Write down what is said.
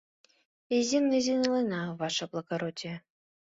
Изин-изин илена, ваше благородие.